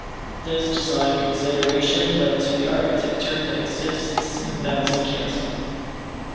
This design consideration led to the architecture that exists in Bouncy Castle.